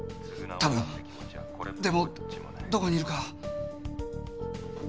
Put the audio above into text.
たぶんでもどこにいるか。